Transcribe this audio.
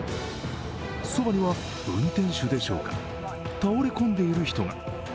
そばには運転手でしょうか、倒れ込んでいる人が。